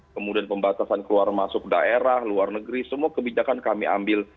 kemudian pembatasan keluar masuk daerah luar negeri semua kebijakan kami ambil